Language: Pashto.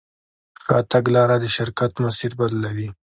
ښه تګلاره د شرکت مسیر بدلوي.